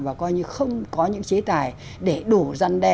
và coi như không có những chế tài để đủ răn đe